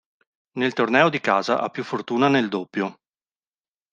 Nel torneo di casa ha più fortuna nel doppio.